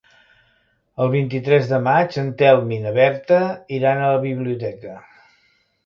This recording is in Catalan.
El vint-i-tres de maig en Telm i na Berta iran a la biblioteca.